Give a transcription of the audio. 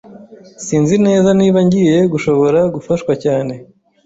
Sinzi neza niba ngiye gushobora gufashwa cyane.